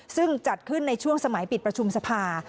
ซึ่งจัดขึ้นในช่วงสมัยปิดประชุมสภา